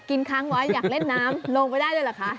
ค้างไว้อยากเล่นน้ำลงไปได้ด้วยเหรอคะ